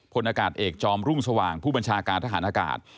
พลอากาศเอกจอมรุ่งสว่างผู้บัญชาการทหารอากาศ